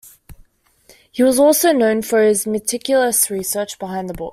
He was also known for his meticulous research behind the books.